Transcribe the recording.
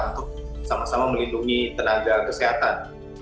untuk sama sama melindungi tenaga kesehatan